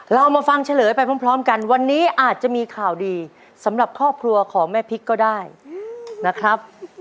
เรามาฟังเฉลยไปพร้อมกันวันนี้อาจจะมีข่าวดีสำหรับครอบครัวของแม่พริกก็ได้นะครับ